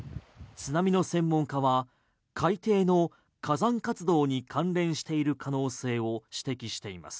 津波の専門家は海底の火山活動に関連している可能性を指摘しています。